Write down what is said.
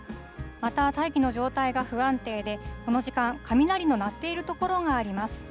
また、大気の状態が不安定で、この時間、雷の鳴っている所があります。